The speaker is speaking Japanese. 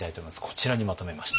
こちらにまとめました。